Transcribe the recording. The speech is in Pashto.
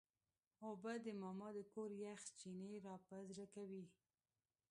اوبه د ماما د کور یخ چینې راپه زړه کوي.